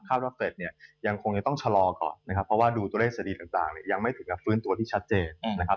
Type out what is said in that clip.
ว่าเกร็ดเนี่ยยังคงจะต้องชะลอก่อนนะครับเพราะว่าดูตัวเลขเศรษฐกิจต่างเนี่ยยังไม่ถึงกับฟื้นตัวที่ชัดเจนนะครับ